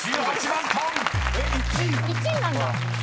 １位なんだ。